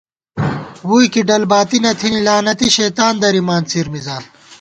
ووئی کی ڈل باتی نہ تھنی، لعنتی شیطان درِمان څِر مِزان